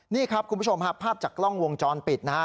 นี่ครับคุณผู้ชมฮะภาพจากกล้องวงจรปิดนะฮะ